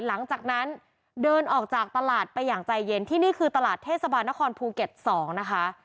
หลังจากนั้นเดินออกจากตลาดไปอย่างใจเย็นที่นี่คือตลาดเทศบาลนครภูเก็ต๒นะคะ